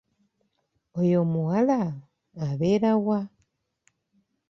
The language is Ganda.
Oyo omuwala abeera wa?